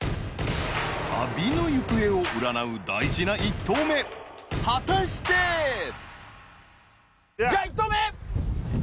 旅の行方を占う大事な一投目じゃあ一投目！